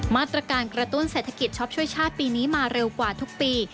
มาตรการกระตุ้นเศรษฐกิจช็อปช่วยชาติปีนี้มาเร็วกว่าทุกปี